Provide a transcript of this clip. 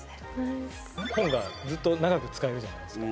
本がずっと長く使えるじゃないですか。